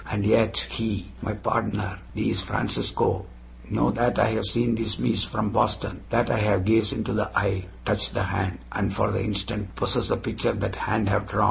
And yet he, my pardner thees Francisco know that I have seen the mees from Boston! That I have gaze into the eye, touch the hand, and for the instant possess the picture that hand have drawn!